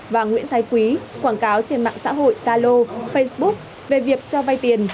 và nguyễn thái quý quảng cáo trên mạng xã hội zalo facebook về việc cho vay tiền